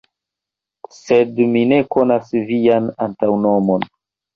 Sed mi ne konas vian antaŭnomon.